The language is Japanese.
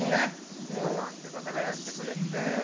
ＵＴＡさんという方がやってくれて。